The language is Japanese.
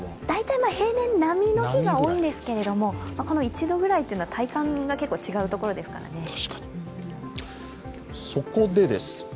大体、平年並みの日が多いんですけど１度ぐらいというのは体感が結構違うところですからね。